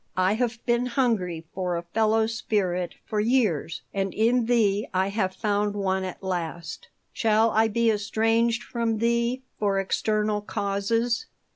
I have been hungry for a fellow spirit for years and in thee I have found one at last. Shall I be estranged from thee for external causes?"